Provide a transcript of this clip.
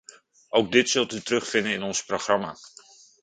Ook dit zult u terugvinden in ons programma.